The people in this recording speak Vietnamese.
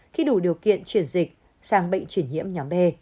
khi đủ điều kiện chuyển